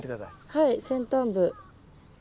はい先端部。